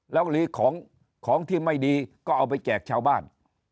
แล้วหรือของที่ไม่ดีก็เอาไปแจกชาวบ้าน